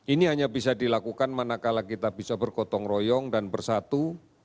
ini hanya bisa dilakukan manakala kita bisa bergotong royong dan bersatu